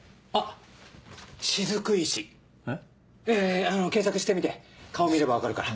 いや検索してみて顔見れば分かるから。